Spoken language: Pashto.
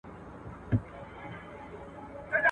د سپو سلا فقير ته يوه ده.